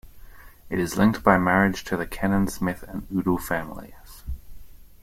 It is linked by marriage to the Cannon, Smith, and Udall families.